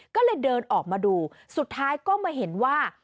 ก็เลยเดินออกมาดูสุดท้ายก็มาเห็นว่า